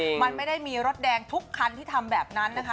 มันไม่ได้มีรถแดงทุกคันที่ทำแบบนั้นนะคะ